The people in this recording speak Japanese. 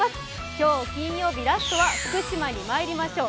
今日金曜日、ラストは福島にまいりましょう。